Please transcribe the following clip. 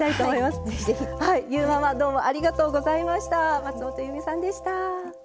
松本ゆうみさんでした。